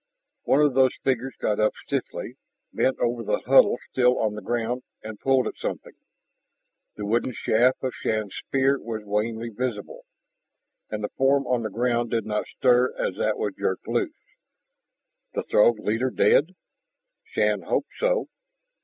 One of those figures got up stiffly, bent over the huddle still on the ground, and pulled at something. The wooden shaft of Shann's spear was wanly visible. And the form on the ground did not stir as that was jerked loose. The Throg leader dead? Shann hoped so.